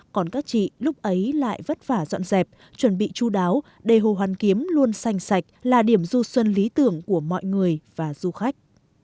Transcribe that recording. còn các chị lúc ấy lại vất vả dọn dẹp chuẩn bị chú đáo để hồ hoàn kiếm luôn xanh sạch là điểm du xuân lý tưởng của mọi người và du khách